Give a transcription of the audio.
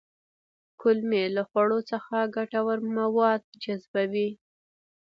کولمې له خوړو څخه ګټور مواد جذبوي